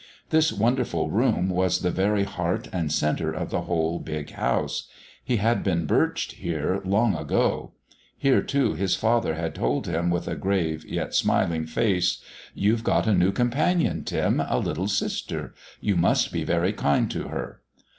This wonderful room was the very heart and centre of the whole big house; he had been birched here long ago; here, too, his father had told him with a grave yet smiling face: "You've got a new companion, Tim, a little sister; you must be very kind to her."